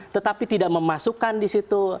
tetapi tidak memasukkan disitu